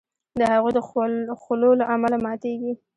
د هغوی د خولو له امله ماتیږي.